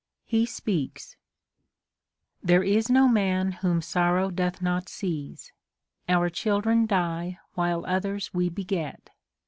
He speaks :— There is no man whom sorrow doth not seize ; Our children die while others we beget.